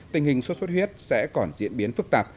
tình hình suốt suốt huyết sẽ còn diễn biến phức tạp